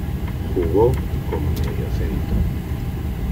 Jugó como mediocentro.